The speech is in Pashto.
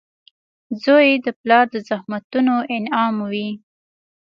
• زوی د پلار د زحمتونو انعام وي.